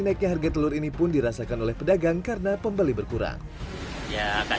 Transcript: naiknya harga telur ini pun dirasakan oleh pedagang karena pembeli berkurang ya akan